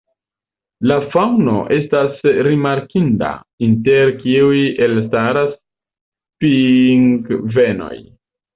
La faŭno estas rimarkinda, inter kiuj elstaras pingvenoj.